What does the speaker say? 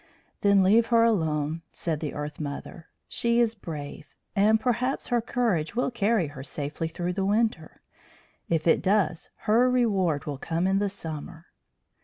"Then leave her alone," said the Earth mother. "She is brave, and perhaps her courage will carry her safely through the winter. If it does her reward will come in the summer."